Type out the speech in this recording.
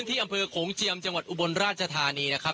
ตอนนี้ผมอยู่ในพื้นที่อำเภอโขงเจียมจังหวัดอุบลราชธานีนะครับ